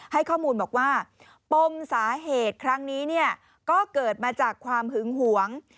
ให้ข้อมูลบอกว่าปมสาเหตุครั้งนี้เนี่ยก็เกิดมาจากความหึงหวง